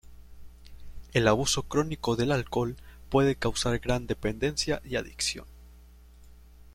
El abuso crónico del alcohol puede causar gran dependencia y adicción.